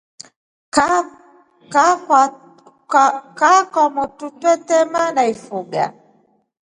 Kaa kwakwa twedema naifuga.